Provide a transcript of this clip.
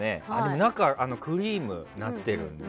中がクリームになってるんだね。